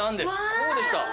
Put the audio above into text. こうでした